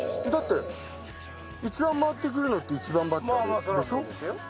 だって１番回ってくるのって１番バッターでしょ？